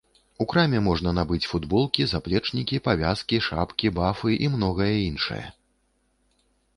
У краме можна набыць футболкі, заплечнікі, павязкі, шапкі, бафы і многае іншае.